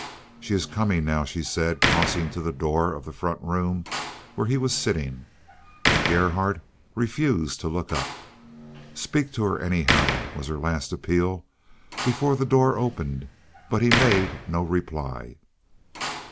"She is coming now," she said, crossing to the door of the front room, where he was sitting; but Gerhardt refused to look up. "Speak to her, anyhow," was her last appeal before the door opened; but he made no reply.